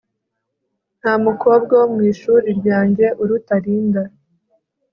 nta mukobwa wo mu ishuri ryanjye uruta linda